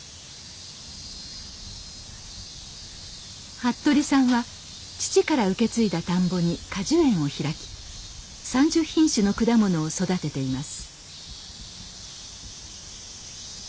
服部さんは父から受け継いだ田んぼに果樹園を開き３０品種の果物を育てています。